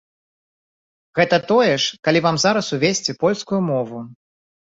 Гэта тое ж, калі вам зараз увесці польскую мову.